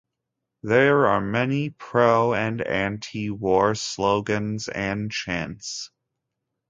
There are many pro- and anti-war slogans and chants.